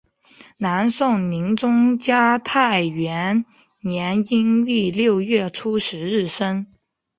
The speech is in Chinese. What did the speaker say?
南宋宁宗嘉泰元年阴历六月初十日生。